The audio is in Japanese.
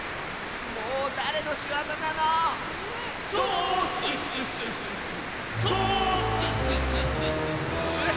もうだれのしわざなの⁉・ソーッスッスッスッスッスッソーッスッスッスッスッスッスッ。